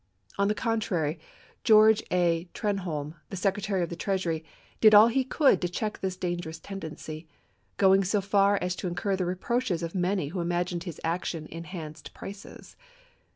On the contrary, George A. Trenholm, the Secretary of the Treasury, did all he could to check this dangerous tendency, going so far as to incur the reproaches of many who imagined his action enhanced prices.